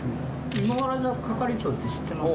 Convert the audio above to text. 芋洗坂係長って知ってます？